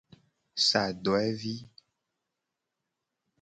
Sa dowevi.